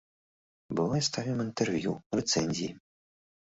Бывае, ставім інтэрв'ю, рэцэнзіі.